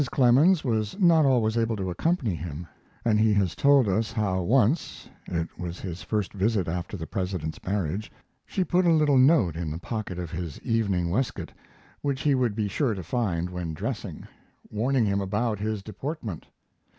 Clemens was not always able to accompany him, and he has told us how once (it was his first visit after the President's marriage) she put a little note in the pocket of his evening waistcoat, which he would be sure to find when dressing, warning him about his deportment.